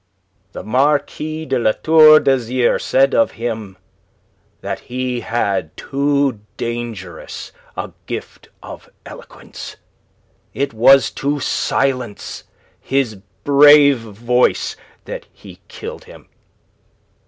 "The Marquis de La Tour d'Azyr said of him that he had too dangerous a gift of eloquence. It was to silence his brave voice that he killed him.